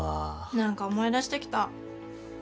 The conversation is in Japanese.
何か思い出してきた。